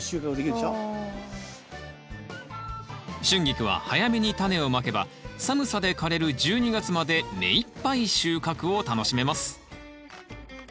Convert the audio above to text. シュンギクは早めにタネをまけば寒さで枯れる１２月まで目いっぱい収穫を楽しめます。